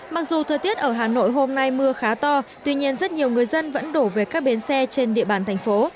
mặc dù thời tiết ở hà nội hôm nay mưa khá to tuy nhiên rất nhiều người dân vẫn đổ về các bến xe trên địa bàn thành phố